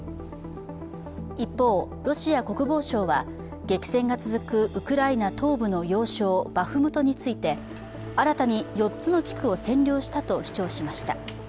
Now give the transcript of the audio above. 一方、ロシア国防省は激戦が続くウクライナ東部の要衝バフムトについて、新たに４つの地区を占領したと主張しました。